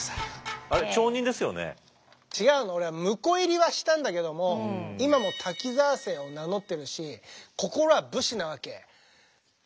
違うの俺は婿入りはしたんだけども今も滝沢姓を名乗ってるし心は武士なわけ！